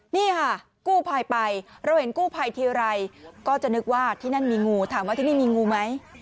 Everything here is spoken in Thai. นี่ค่ะกู้ภัยไปเราเห็นกู้ภัยทีไรก็จะนึกว่าที่นั่นมีงูถามว่าที่นี่มีงูไหม